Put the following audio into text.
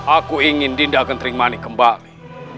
aku ingin dinda kentrimani kembali